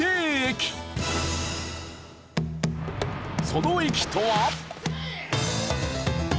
その駅とは。